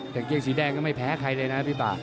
เปลี่ยนเกียงสีแดงก็ไม่แพ้ใครเลยนะครับพี่ป่า